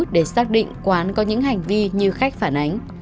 để xác định quán có những hành vi như khách phản ánh